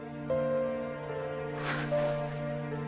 あっ。